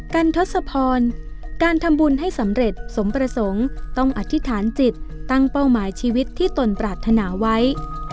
ทศพรการทำบุญให้สำเร็จสมประสงค์ต้องอธิษฐานจิตตั้งเป้าหมายชีวิตที่ตนปรารถนาไว้